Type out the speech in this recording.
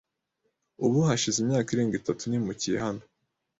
Ubu hashize imyaka irenga itatu nimukiye hano.